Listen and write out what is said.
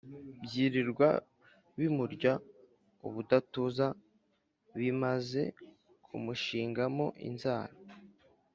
Byilirwa bimurya ubudatuza bimaze kumushingamo inzara,